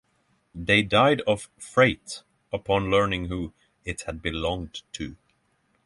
They died of freight upon learning who it had belonged to.